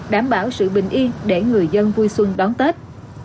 đảm bảo sự bình yên để người dân vui xuân đón tết